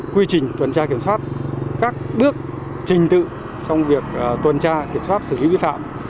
quy trình tuần tra kiểm soát các bước trình tự trong việc tuần tra kiểm soát xử lý vi phạm